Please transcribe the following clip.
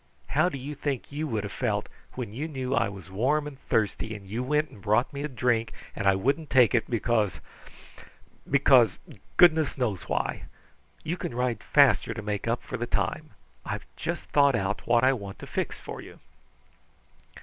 "How do you think you would have felt when you knew I was warm and thirsty and you went and brought me a drink and I wouldn't take it because because goodness knows why! You can ride faster to make up for the time. I've just thought out what I want to fix for you."